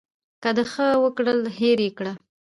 که د ښه وکړل هېر یې کړه .